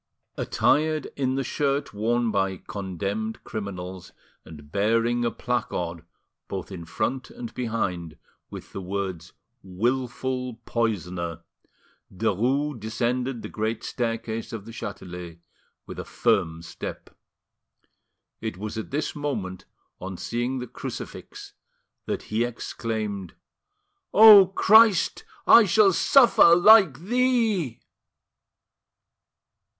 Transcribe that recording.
Attired in the shirt worn by condemned criminals, and bearing a placard both in front and behind, with the words "Wilful Poisoner," Derues descended the great staircase of the Chatelet with a firm step. It was at this moment, on seeing the crucifix, that he exclaimed, "O Christ, I shall suffer like Thee!"